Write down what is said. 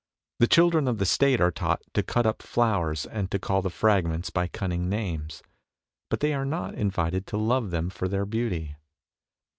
The children of the State are taught to cut up flowers and to call the fragments by cunning names, but they are not invited to love them for their beauty